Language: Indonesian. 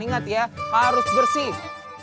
ingat ya harus bersih